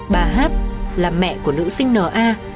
bà hát là mẹ của nữ sinh n a